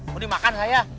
mau dimakan saya